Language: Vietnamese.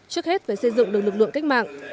trước hết phải xây dựng được lực lượng cách mạng